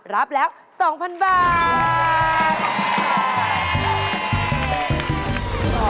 รับแล้ว๒๐๐๐บาท